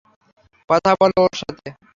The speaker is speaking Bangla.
কথা বলো ওর সাথে।